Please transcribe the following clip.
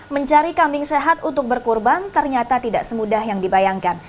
mencari kambing sehat untuk berkurban ternyata tidak semudah yang dibayangkan